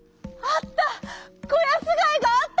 「あった！